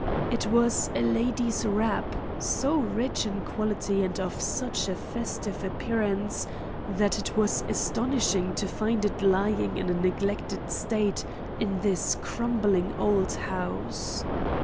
It was a lady's wrap so rich in quality and of such a festive appearance that it was astonishing to find it lying in a neglected state in this crumbling old house.